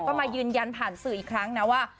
ก็มายืนยันผ่านสื่ออีกครั้งนะว่า